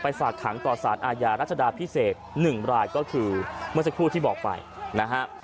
ฝากขังต่อสารอาญารัชดาพิเศษ๑รายก็คือเมื่อสักครู่ที่บอกไปนะฮะ